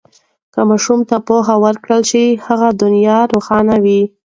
که ماشوم ته پوهه ورکړل شي، هغه دنیا روښانوي.